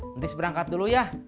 nanti saya berangkat dulu ya